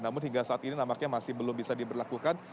namun hingga saat ini nampaknya masih belum bisa diberlakukan